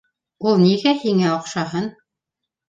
- Ул нигә һиңә оҡшаһын?